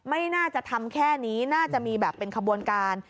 ไม่น่าจะทำแค่นี้น่าจะมีแบบเป็นขบวนการ